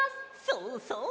そうそう！